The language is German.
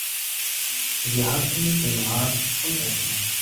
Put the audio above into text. Wir hatten den Rat von Essen.